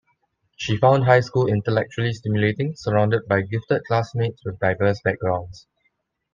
She found high school intellectually stimulating, surrounded by gifted classmates with diverse backgrounds.